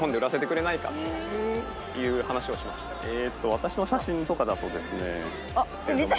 私の写真とかだとですね。